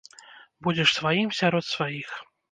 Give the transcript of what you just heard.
Будзеш сваім сярод сваіх.